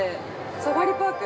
サファリパーク。